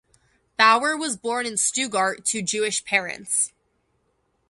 Bauer was born in Stuttgart to Jewish parents.